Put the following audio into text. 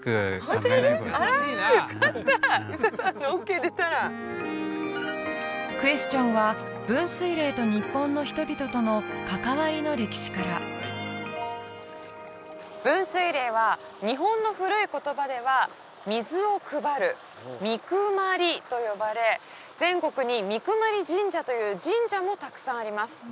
遊佐さんのオッケー出たクエスチョンは分水嶺と日本の人々との関わりの歴史から分水嶺は日本の古い言葉では水を配るみくまりと呼ばれ全国にみくまり神社という神社もたくさんあります